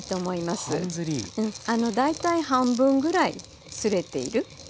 あの大体半分ぐらいすれている。